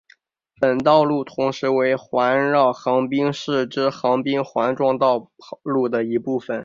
本道路同时为环绕横滨市之横滨环状道路的一部份。